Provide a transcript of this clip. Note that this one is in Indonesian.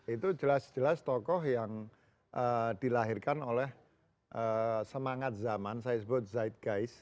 itu jelas jelas tokoh yang dilahirkan oleh semangat zaman saya sebut zeitgais